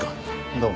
どうも。